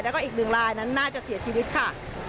แล้วก็อีกหนึ่งลายนั้นน่าจะเสียชีวิตค่ะ